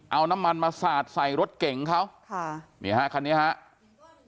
เอาน้ำมันมาสาดใส่รถเก่งเขาค่ะนี่ฮะคันนี้ครับ